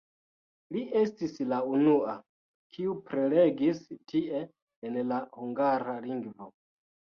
Li estis la unua, kiu prelegis tie en la hungara lingvo.